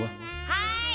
はい！